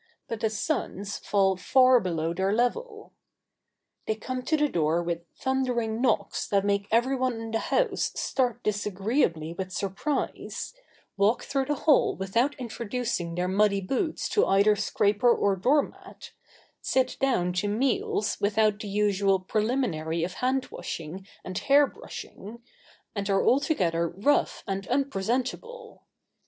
But the sons fall far below their level. [Sidenote: A typical family.] They come to the door with thundering knocks that make every one in the house start disagreeably with surprise, walk through the hall without introducing their muddy boots to either scraper or doormat, sit down to meals without the usual preliminary of hand washing and hair brushing, and are altogether rough and unpresentable.